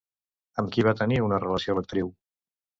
Amb qui va tenir una relació l'actriu?